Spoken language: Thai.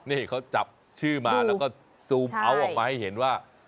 นี่เขาจับชื่อมาแล้วก็ซูมเอาท์ออกมาให้เห็นว่า